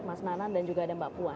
mas prananda dan mbak puan